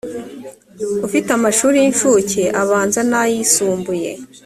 ufite amashuri y incuke abanza n ay isumbuye